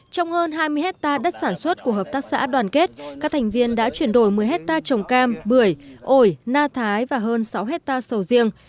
trong hơn hai mươi hectare đất sản xuất của hợp tác xã đoàn kết các thành viên đã chuyển đổi một mươi hectare trồng cam bưởi ổi na thái và hơn sáu hectare sầu riêng